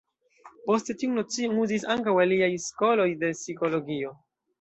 Poste tiun nocion uzis ankaŭ aliaj skoloj de psikologio.